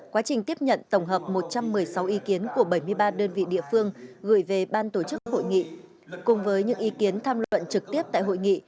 quá trình tiếp nhận tổng hợp một trăm một mươi sáu ý kiến của bảy mươi ba đơn vị địa phương gửi về ban tổ chức hội nghị cùng với những ý kiến tham luận trực tiếp tại hội nghị